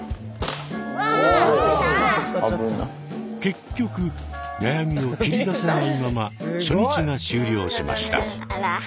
結局悩みを切り出せないまま初日が終了しました。